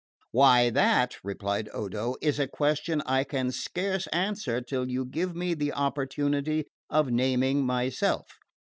"Why, that," replied Odo, "is a question I can scarce answer till you give me the opportunity of naming myself.